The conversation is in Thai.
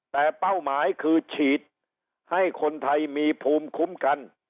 แต่เป้าหมายคือฉีดให้คนไทยมีภูมิคุ้มกัน